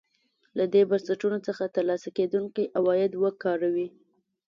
له دې بنسټونو څخه ترلاسه کېدونکي عواید وکاروي.